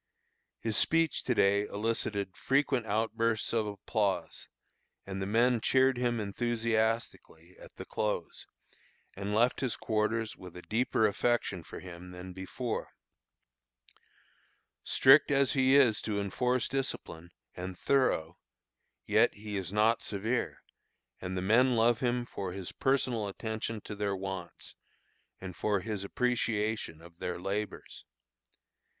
His speech to day elicited frequent outbursts of applause, and the men cheered him enthusiastically at the close, and left his quarters with a deeper affection for him than before. Strict as he is to enforce discipline, and thorough, yet he is not severe; and the men love him for his personal attention to their wants, and for his appreciation of their labors.